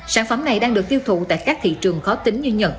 sản phẩm này đang được tiêu thụ tại các thị trường khó tính như nhật